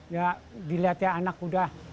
ya dilihat ya anak muda